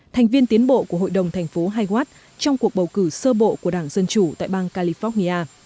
thành viên tiến bộ của hội đồng thành phố haywat trong cuộc bầu cử sơ bộ của đảng dân chủ tại bang california